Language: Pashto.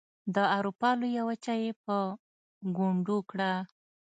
د اروپا لویه وچه یې په ګونډو کړه.